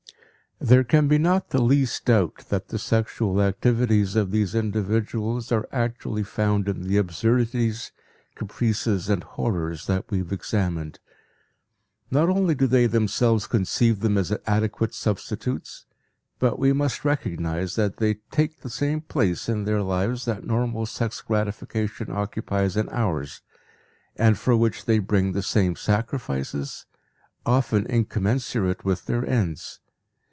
There can be not the least doubt that the sexual activities of these individuals are actually found in the absurdities, caprices and horrors that we have examined. Not only do they themselves conceive them as adequate substitutes, but we must recognize that they take the same place in their lives that normal sex gratification occupies in ours, and for which they bring the same sacrifices, often incommensurate with their ends.